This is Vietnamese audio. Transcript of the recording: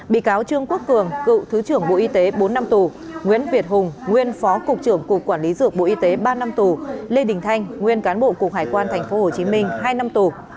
bị cáo trương quốc cường cựu thứ trưởng bộ y tế bốn năm tù nguyễn việt hùng nguyên phó cục trưởng cục quản lý dược bộ y tế ba năm tù lê đình thanh nguyên cán bộ cục hải quan tp hcm hai năm tù